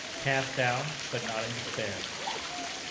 CAST DOWN, BUT NOT IN DESPAIR.